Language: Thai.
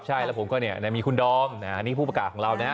ครับและผมก็เนี่ยมีคุณดอมนี่ผู้ประกาศของเราน่ะ